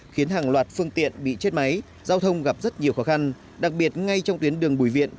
khiến hàng loạt phương tiện bị chết máy giao thông gặp rất nhiều khó khăn đặc biệt ngay trong tuyến đường bùi viện